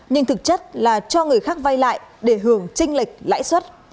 nhưng thực chất là cho người khác vay lại để hưởng tranh lệch lãi suất